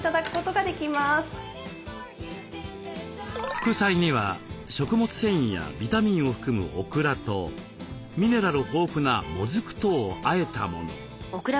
副菜には食物繊維やビタミンを含むオクラとミネラル豊富なモズクとをあえたもの。